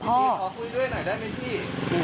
พี่ขอคุยด้วยหน่อยได้ไหมพี่